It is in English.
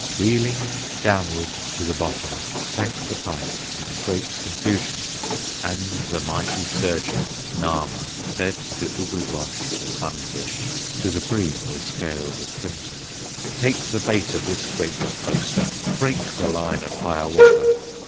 Reeling downward to the bottom Sank the pike in great confusion, And the mighty sturgeon, Nahma, Said to Ugudwash, the sun fish, To the bream, with scales of crimson, "Take the bait of this great boaster, Break the line of Hiawatha!"